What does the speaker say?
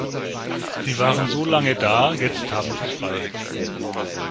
Sie waren so lange da, jetzt haben Sie frei.